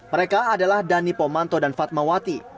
mereka adalah danipo manto dan fatmawati